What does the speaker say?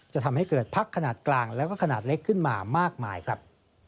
จะทำให้เกิดพักขนาดกลางแล้วก็ขนาดเล็กขึ้นมามากมายครับ